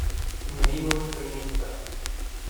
Mi amigo es feminista